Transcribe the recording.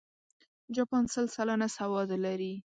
جاپان سل سلنه سواد لري.